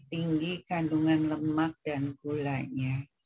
tinggi kandungan lemak dan gulanya